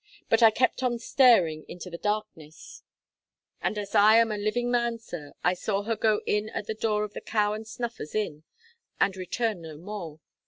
But I kept on staring into the darkness, and as I am a living man, sir, I saw her go in at the door of the Cow and Snuffers Inn, and return no more.